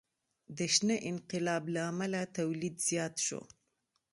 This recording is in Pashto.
د شنه انقلاب له امله تولید زیات شو.